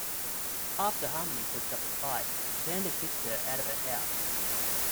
After Harmony puts up a fight, Xander kicks her out of the house.